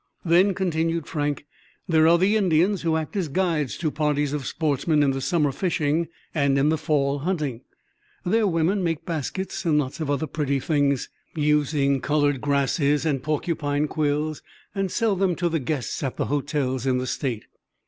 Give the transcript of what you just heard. "Then," continued Frank, "there are the Indians, who act as guides to parties of sportsmen in the summer fishing and in the fall hunting. Their women make baskets, and lots of other pretty things, using colored grasses and porcupine quills, and sell them to the guests at the hotels in the State."